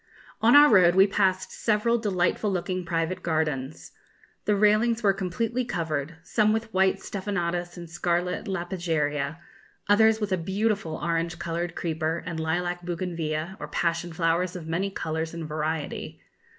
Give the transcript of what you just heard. On our road we passed several delightful looking private gardens. The railings were completely covered, some with white stephanotis and scarlet lapageria, others with a beautiful orange coloured creeper and lilac bougainvillæa, or passion flowers of many colours and variety.